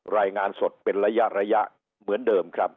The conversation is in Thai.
รายงานสดเป็นระยะระยะเหมือนเดิมครับ